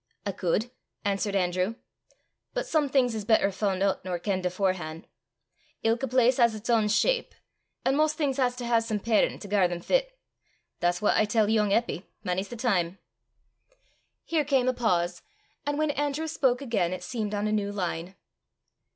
"I could," answered Andrew; "but some things is better f'un' oot nor kenned aforehan'. Ilka place has its ain shape, an' maist things has to hae some parin' to gar them fit. That's what I tell yoong Eppy mony 's the time!" Here came a pause, and when Andrew spoke again, it seemed on a new line.